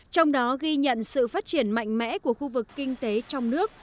trong đó ghi nhận sự phát triển mạnh mẽ của khu vực kinh tế trong nước